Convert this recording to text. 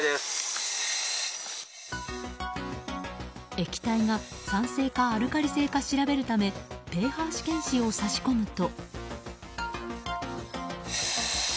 液体が酸性かアルカリ性か調べるためｐＨ試験紙を差し込むと。